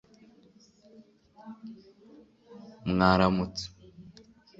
mwaramutse